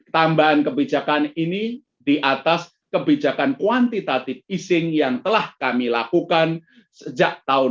tambahan kebijakan ini di atas kebijakan kuantitatif easing yang telah kami lakukan sejak tahun dua ribu dua